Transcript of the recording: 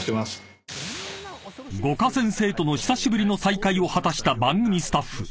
［五箇先生との久しぶりの再会を果たした番組スタッフ］